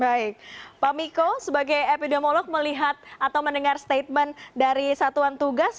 baik pak miko sebagai epidemiolog melihat atau mendengar statement dari satuan tugas